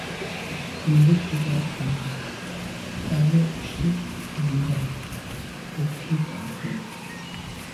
Ŋkrʉ̀n gə́ cúp à’ fə́ mbə́ á yûp cú mbɑ́ bú khǐ tà’ ŋkrʉ̀n.